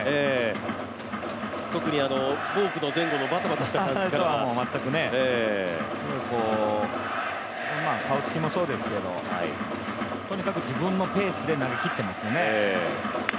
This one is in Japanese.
特にボークの前後のバタバタした感じとは顔つきもそうですけどとにかく自分のペースで投げきってますよね。